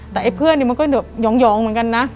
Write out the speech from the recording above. แต่ไอ้เพื่อนนี่มันก็หยองเหมือนกันนะ